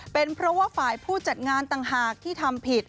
เป็นเพราะว่าฝ่ายผู้จัดงานต่างหากที่ทำผิด